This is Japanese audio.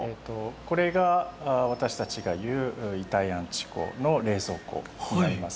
これが私たちが言う遺体安置庫の冷蔵庫になります。